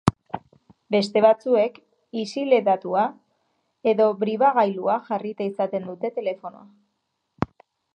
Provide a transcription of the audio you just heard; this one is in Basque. Beste batzuek isileaduta edo bibragailua jarrita izaten dute telefonoa.